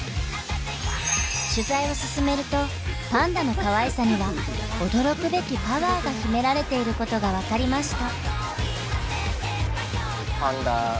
取材を進めるとパンダの「かわいさ」には驚くべきパワーが秘められていることが分かりました。